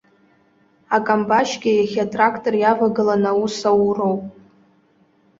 Акамбашьгьы иахьа атрактор иавагыланы аус ауроуп.